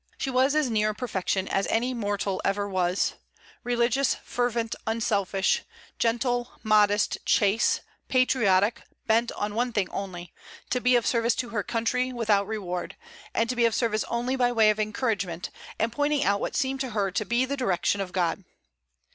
She was as near perfection as any mortal ever was: religious, fervent, unselfish, gentle, modest, chaste, patriotic, bent on one thing only, to be of service to her country, without reward; and to be of service only by way of encouragement, and pointing out what seemed to her to be the direction of God.